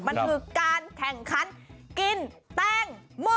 มันคือการแข่งขันกินแป้งหม้อ